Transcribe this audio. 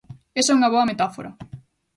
Esa é unha boa metáfora.